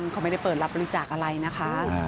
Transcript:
เขาไม่ได้เปิดรับบริจาคอะไรนะคะ